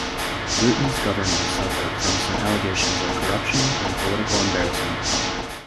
Bruton's government suffered from some allegations of corruption, and political embarrassment.